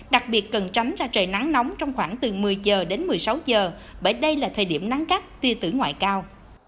đặc biệt cần tránh ra trời nắng nóng trong khoảng từ một mươi giờ đến một mươi sáu giờ bởi đây là thời điểm nắng cắt ti tử ngoại cao